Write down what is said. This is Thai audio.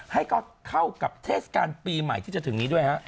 ให้ก็เข้ากับเทศกาลปีใหม่ที่จะถึงนี้ด้วยฮะ